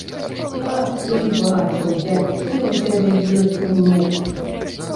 Каб ты бачыў, які ў цябе ёсць унук!